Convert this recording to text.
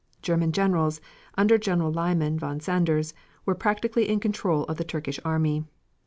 German generals, under General Liman von Sanders, were practically in control of the Turkish army.